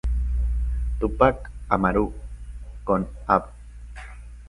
Túpac Amaru con Av.